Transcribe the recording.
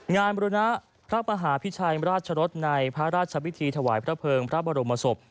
บริณะพระมหาพิชัยราชรสในพระราชพิธีถวายพระเภิงพระบรมศพ